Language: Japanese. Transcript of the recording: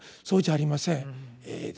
そうじゃありません。